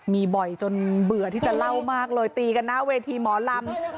มีบ่อยจนเบื่อที่จะเล่ามากเลยตีกันหน้าเวทีหมอลำ